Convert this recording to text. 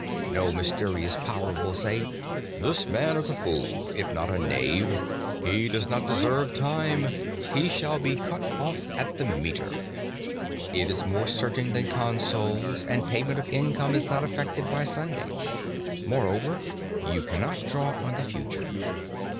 No mysterious power will say: "This man is a fool, if not a knave. He does not deserve time; he shall be cut off at the meter." It is more certain than consols, and payment of income is not affected by Sundays. Moreover, you cannot draw on the future.